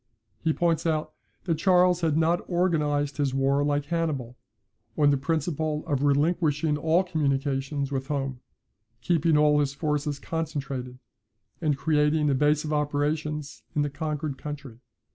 He points out that Charles had not organized his war like Hannibal, on the principle of relinquishing all communications with home, keeping all his forces concentrated, and creating a base of operations in the conquered country.